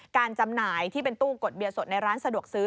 จำหน่ายที่เป็นตู้กดเบียร์สดในร้านสะดวกซื้อ